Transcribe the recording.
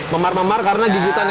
memar memar karena gigitannya